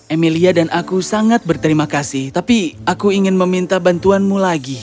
emilia dan aku sangat berterima kasih tapi aku ingin meminta bantuanmu lagi